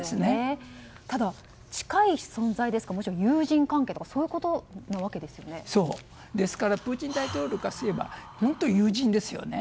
ただ、近い存在ですからむしろ友人関係とかですからプーチン大統領からすれば元友人ですよね。